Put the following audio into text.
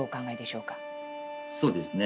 そうですね。